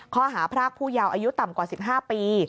ข้อหาพรากผู้ยาวอายุต่ำกว่า๑๕ปี